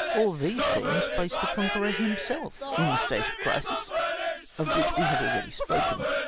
All these things place the conqueror himself in the state of crisis of which we have already spoken.